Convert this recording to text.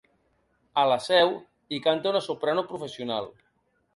A la seu, hi canta una soprano professional.